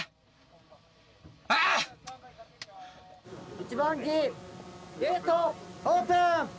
１番機ゲートオープン！